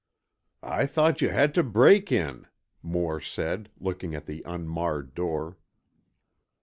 "I thought you had to break in," Moore said, looking at the unmarred door.